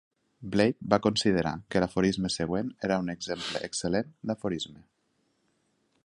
Blake va considerar que l'aforisme següent era un exemple excel·lent d'aforisme.